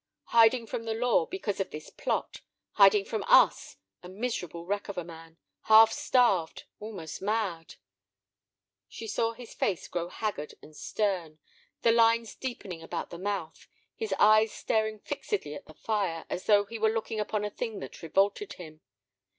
"Hiding from the law because of this Plot; hiding from us, a miserable wreck of a man, half starved, almost mad." She saw his face grow haggard and stern, the lines deepening about the mouth, his eyes staring fixedly at the fire, as though he were looking upon a thing that revolted him.